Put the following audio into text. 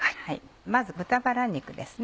まず豚バラ肉ですね